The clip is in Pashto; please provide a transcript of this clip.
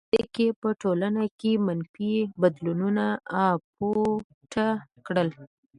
په دې موده کې په ټولنه کې منفي بدلونونو اپوټه کړل.